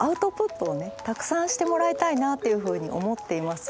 たくさんしてもらいたいなというふうに思っています。